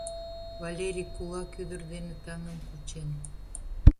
— Валерий кулак ӱдыр дене таҥым кучен!